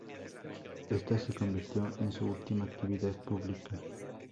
Esta se convirtió en su última actividad pública.